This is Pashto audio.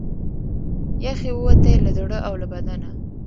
یخ یې ووتی له زړه او له بدنه